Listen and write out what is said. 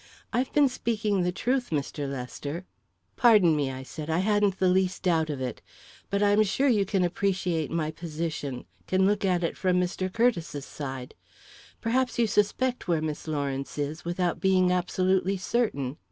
I've been speaking the truth, Mr. Lester." "Pardon me," I said; "I hadn't the least doubt of it; but I'm sure you can appreciate my position, can look at it from Mr. Curtiss's side. Perhaps you suspect where Miss Lawrence is, without being absolutely certain.